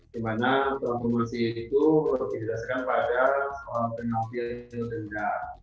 di mana transformasi itu diadakan pada seorang penyampil denda